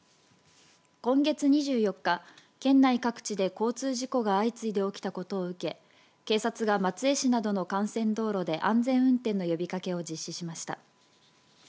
今月２４日県内各地で交通事故が相次いで起きたことを受け警察が松江市などの幹線道路で安全運転の呼びかけを実施しました。